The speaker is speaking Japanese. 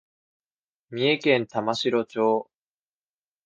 三重県玉城町